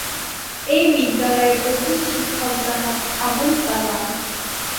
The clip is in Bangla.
এ বিদ্যালয়ের প্রধান শিক্ষক জনাব আবুল কালাম।